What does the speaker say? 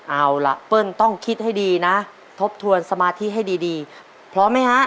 เอาล่ะเปิ้ลต้องคิดให้ดีนะทบทวนสมาธิให้ดีดีพร้อมไหมฮะ